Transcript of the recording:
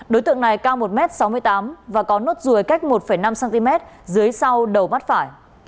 đối tượng này cao một m sáu mươi tám và có nốt ruồi cách một năm cm dưới sau đầu mắt phải